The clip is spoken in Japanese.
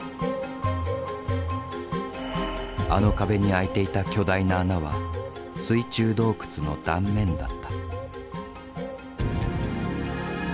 あの壁に開いていた巨大な穴は水中洞窟の断面だった。